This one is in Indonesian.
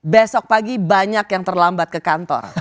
besok pagi banyak yang terlambat ke kantor